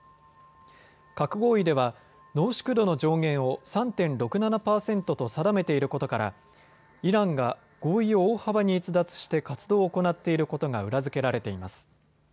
核合意では濃縮度の上限を３．６７％と定めていることからイランが合意を大幅に逸脱して活動を行っていることが裏付けられています。